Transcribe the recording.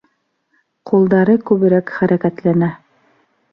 Ҡулдары күберәк хәрәкәтләнә.